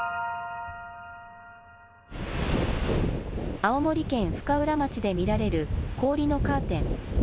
青森県深浦町で見られる氷のカーテン。